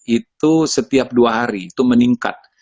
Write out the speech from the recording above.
itu setiap dua hari itu meningkat